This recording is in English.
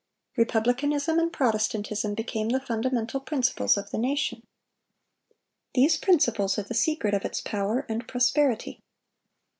Republicanism and Protestantism became the fundamental principles of the nation. These principles are the secret of its power and prosperity.